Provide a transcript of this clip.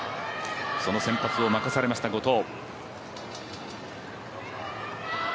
その先発を任されました、後藤。